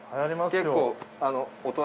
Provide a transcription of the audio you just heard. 結構。